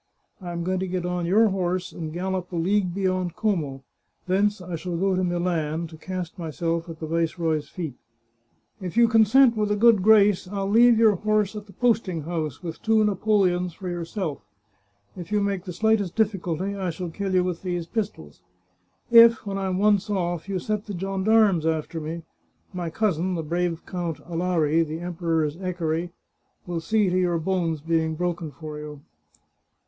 I am going to get on your horse and gallop a league beyond Como; thence I shall go to Milan, to cast myself at the viceroy's feet. If you consent with a good grace, I'll leave your horse at the posting house, with two napoleons for yourself. If you make the slightest difficulty I shall kill you with these pis tols. If, when I am once oflF, you set the gendarmes after me, my cousin, the brave Count Alari, the Emperor's equerry, will see to your bones being broken for you."